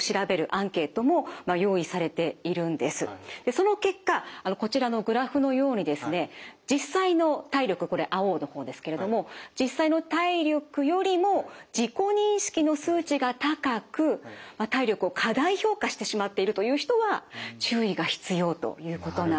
その結果こちらのグラフのようにですね実際の体力これ青の方ですけれども実際の体力よりも自己認識の数値が高く体力を過大評価してしまっているという人は注意が必要ということなんです。